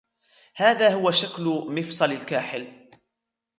هذا هو شكل مفصل الكاحل.